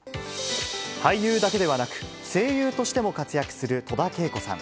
俳優だけではなく、声優としても活躍する戸田恵子さん。